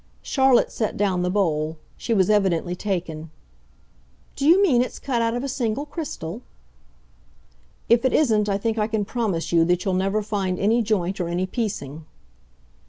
Charlotte set down the bowl; she was evidently taken. "Do you mean it's cut out of a single crystal?" "If it isn't I think I can promise you that you'll never find any joint or any piecing."